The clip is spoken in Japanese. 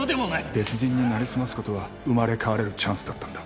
別人になりすます事は生まれ変われるチャンスだったんだ。